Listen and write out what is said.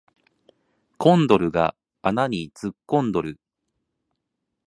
コンドルが穴に突っ込んどる